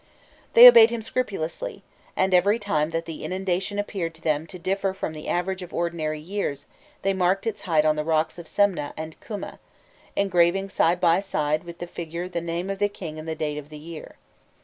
They obeyed him scrupulously, and every time that the inundation appeared to them to differ from the average of ordinary years, they marked its height on the rocks of Semneh and Kummeh, engraving side by side with the figure the name of the king and the date of the year.